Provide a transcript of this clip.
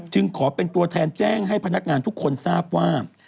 ขอเป็นตัวแทนแจ้งให้พนักงานทุกคนทราบว่า